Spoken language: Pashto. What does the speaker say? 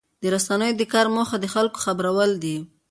د رسنیو د کار موخه د خلکو خبرول دي.